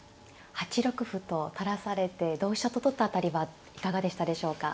８六歩と垂らされて同飛車と取った辺りはいかがでしたでしょうか。